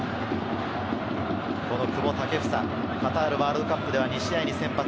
久保建英、カタールワールドカップでは２試合に先発。